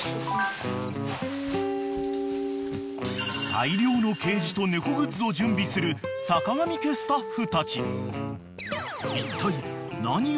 ［大量のケージと猫グッズを準備するさかがみ家スタッフたち］